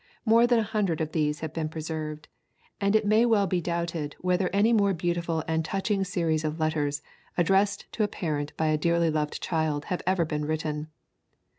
More than a hundred of these have been preserved, and it may well be doubted whether any more beautiful and touching series of letters addressed to a parent by a dearly loved child have ever been written.